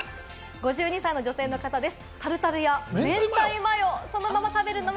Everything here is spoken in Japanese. ５２歳の女性の方です。